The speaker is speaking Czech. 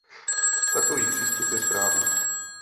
Takový přístup je správný.